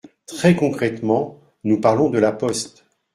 Très concrètement, nous parlons de La Poste.